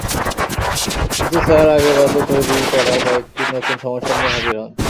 কিন্তু স্যার আগের রাতে তৈরি করা কয়েকটি নতুন সমস্যা নিয়ে হাজির হন।